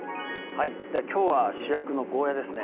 きょうは主役のゴーヤですね